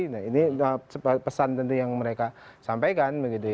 nah ini pesan tentu yang mereka sampaikan begitu ya